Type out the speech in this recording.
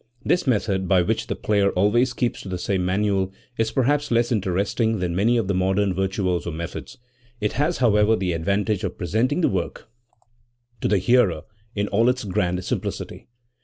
This method, by which the player always keeps to the same manual, is perhaps less interesting than many of the modern virtuoso methods ;r it has, however, the advantage of presenting the work to the hearer in all its grand simplicity.